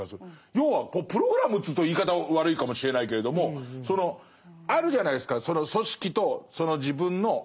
要はプログラムというと言い方悪いかもしれないけれどもそのあるじゃないですか。